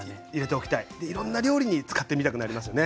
いろんな料理に使ってみたくなりますよね。